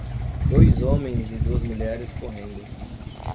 Dois homens e duas mulheres correndo.